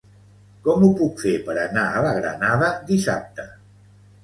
Com ho puc fer per anar a la Granada dissabte?